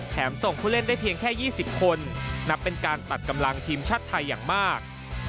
ส่งผู้เล่นได้เพียงแค่๒๐คนนับเป็นการตัดกำลังทีมชาติไทยอย่างมาก